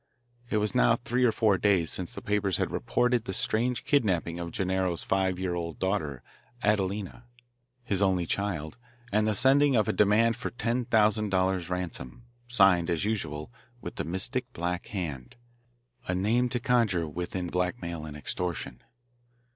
It was now three or four days since the papers had reported the strange kidnapping of Gennaro's five year old daughter Adelina, his only child, and the sending of a demand for ten thousand dollars ransom, signed, as usual, with the mystic Black Hand a name to conjure with in blackmail and extortion.